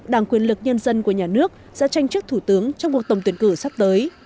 đảng quyền lực nhân dân của nhà nước sẽ tranh trước thủ tướng trong cuộc tổng tuyển cử sắp tới